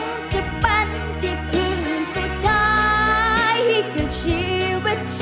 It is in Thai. หวังจะเป็นที่พื้นสุดท้ายให้เก็บชีวิต